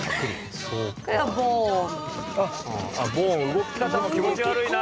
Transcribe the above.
動き方も気持ち悪いなあ！